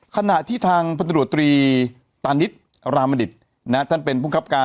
ขณะที่ทางพันธุรกรีตานิตรามดิตนะฮะท่านเป็นภูมิครับการ